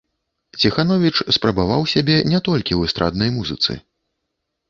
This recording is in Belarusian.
Ціхановіч спрабаваў сябе не толькі ў эстраднай музыцы.